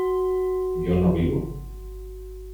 yo no vivo